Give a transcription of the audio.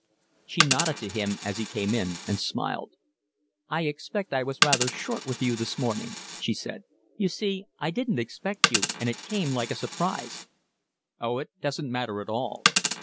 She nodded to him as he came in and smiled. "I expect I was rather short with you this morning," she said. "You see, I didn't expect you, and it came like a surprise." "Oh, it doesn't matter at all."